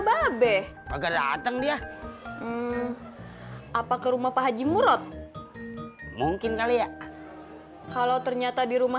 babe agar datang dia apa ke rumah pak haji murot mungkin kali ya kalau ternyata di rumah